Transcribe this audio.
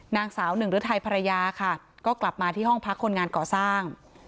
นางสาวหนึ่งฤทัยภรรยาค่ะก็กลับมาที่ห้องพักคนงานก่อสร้าง